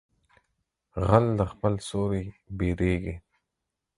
غل د خپله سوري بيرېږي.